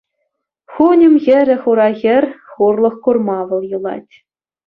Хуньӑм хӗрӗ хура хӗр хурлӑх курма вӑл юлать.